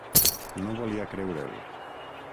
No volia creure'l.